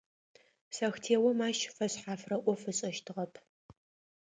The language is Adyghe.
Сэхтеом ащ фэшъхьафрэ ӏоф ышӏэщтыгъэп.